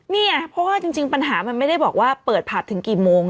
นี่ไงเพราะว่าจริงปัญหามันไม่ได้บอกว่าเปิดผับถึงกี่โมง